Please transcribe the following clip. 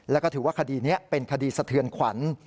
แล้วก็ถือว่าคดีนี้เป็นคดีสะเทือนขวัญ